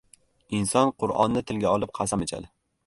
— Inson Qur’onni tilga olib qasam ichadi.